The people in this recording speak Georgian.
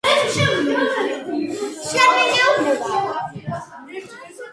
პირითი წყობა შერჩა მხოლოდ ჩრდილოეთ კედლის ფრაგმენტს.